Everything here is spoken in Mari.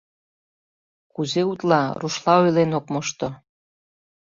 — Кузе утла, рушла ойлен ок мошто.